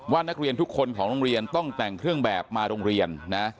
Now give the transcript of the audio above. นักเรียนทุกคนของโรงเรียนต้องแต่งเครื่องแบบมาโรงเรียนนะ